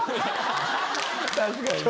確かにね